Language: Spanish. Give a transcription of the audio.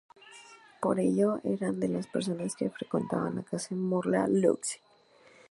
Por ello, era de las personas que frecuentaba la casa de Morla Lynch.